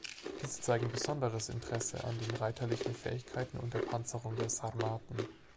Diese zeigen besonderes Interesse an den reiterlichen Fähigkeiten und der Panzerung der Sarmaten.